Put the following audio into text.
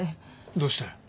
どうして？